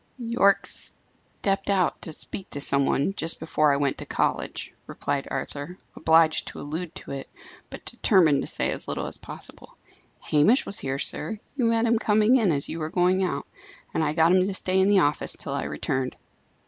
"Yorke stepped out to speak to some one just before I went to college," replied Arthur, obliged to allude to it, but determined to say as little as possible. "Hamish was here, sir; you met him coming in as you were going out, and I got him to stay in the office till I returned."